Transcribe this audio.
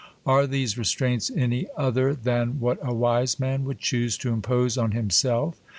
Are these restraints any other, than what a wise man would choose to impose on himself?